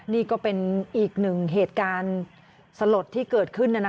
นี่ก็เป็นอีกหนึ่งเหตุการณ์สลดที่เกิดขึ้น